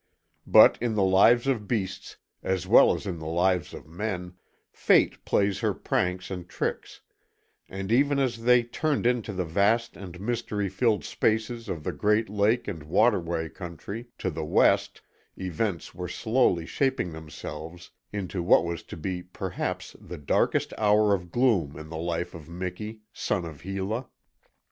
But in the lives of beasts, as well as in the lives of men, Fate plays her pranks and tricks, and even as they turned into the vast and mystery filled spaces of the great lake and waterway country, to the west, events were slowly shaping themselves into what was to be perhaps the darkest hour of gloom in the life of Miki, son of Hela.